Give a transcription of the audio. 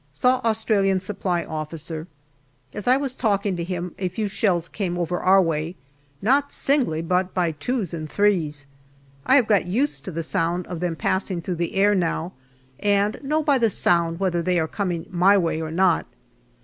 Saw Australian Supply Officer. As I was talking to him. a few shells came over our way not singly, but by twos and threes. I have got used to the sound of them passing through the air now, and know by the sound whether they are coming my way or not.